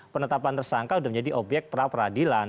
penetapan tersangka sudah menjadi obyek pra peradilan